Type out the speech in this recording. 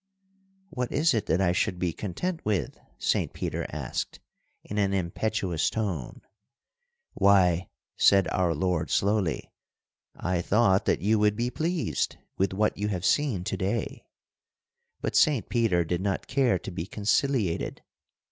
'What is it that I should be content with?' Saint Peter asked, in an impetuous tone. 'Why,' said our Lord slowly, 'I thought that you would be pleased with what you have seen to day.' But Saint Peter did not care to be conciliated.